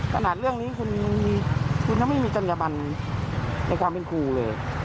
ขนาดเรื่องนี้คุณก็ไม่มีจังหยะบันในความเป็นครูเลย